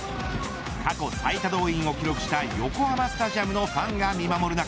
過去最多動員を記録した横浜スタジアムのファンが見守る中